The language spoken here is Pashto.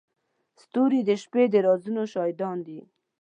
ستوري د شپې د رازونو شاهدان دي.